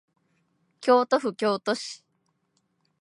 京都府京都市